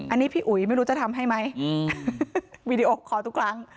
อันนี้พี่อุ๋ยไม่รู้จะทำให้ไหมวีดีโอคอร์ทุกครั้ง